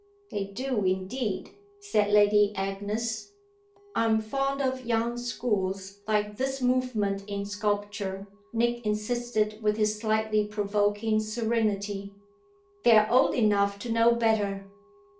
"They do indeed!" said Lady Agnes. "I'm fond of young schools like this movement in sculpture," Nick insisted with his slightly provoking serenity. "They're old enough to know better!"